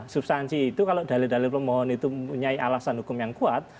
substansi itu kalau dalil dalil pemohon itu mempunyai alasan hukum yang kuat